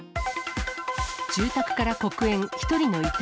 住宅から黒煙、１人の遺体。